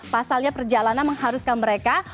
pasalnya perjalanan mengharuskan mereka